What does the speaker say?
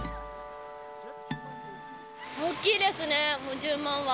大きいですね、もう１０万は。